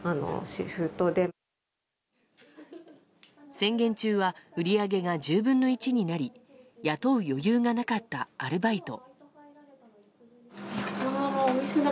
宣言中は売り上げが１０分の１になり雇う余裕がなかったアルバイト。